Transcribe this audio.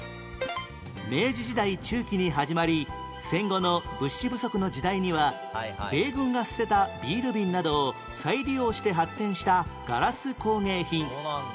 明治時代中期に始まり戦後の物資不足の時代には米軍が捨てたビール瓶などを再利用して発展したガラス工芸品